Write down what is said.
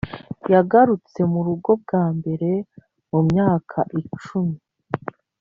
yagarutse murugo bwa mbere mumyaka icumi.